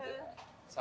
ya biasa saja